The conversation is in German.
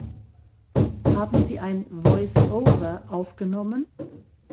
Haben Sie ein "Voice over" aufgenommen?